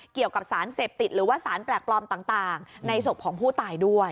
เกี่ยวกับสารเสพติดหรือว่าสารแปลกปลอมต่างในศพของผู้ตายด้วย